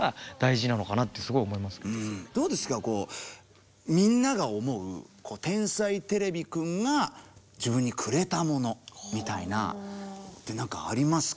こうみんなが思う「天才てれびくん」が自分にくれたものみたいなって何かありますか？